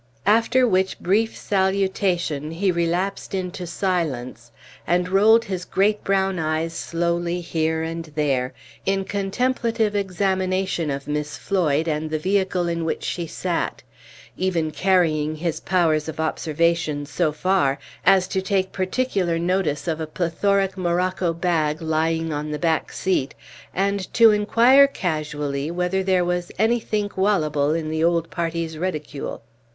After which brief salutation he relapsed into silence, and rolled his great brown eyes slowly here and there, in contemplative examination Page 13 of Miss Floyd and the vehicle in which she sat even carrying his powers of observation so far as to take particular notice of a plethoric morocco bag lying on the back seat, and to inquire casually whether there was "anythink wallable in the old party's redicule."